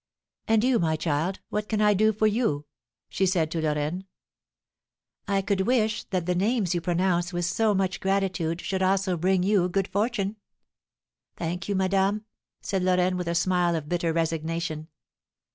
"And you, my child, what can I do for you?" she said to Lorraine; "I could wish that the names you pronounce with so much gratitude should also bring you good fortune." "Thank you, madame," said Lorraine, with a smile of bitter resignation.